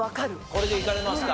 これでいかれますか。